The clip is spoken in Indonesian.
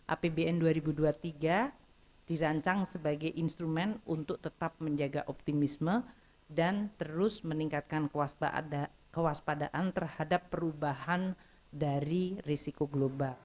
apbn dua ribu dua puluh tiga dirancang sebagai instrumen untuk tetap menjaga optimisme dan terus meningkatkan kewaspadaan terhadap perubahan dari risiko global